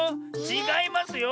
ちがいますよ。